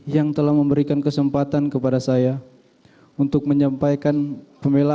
yang telah memberikan kesempatan kepada saya untuk menyampaikan pembelaan